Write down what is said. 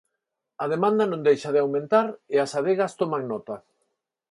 A demanda non deixa de aumentar e as adegas toman nota.